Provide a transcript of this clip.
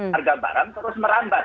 harga barang terus merambat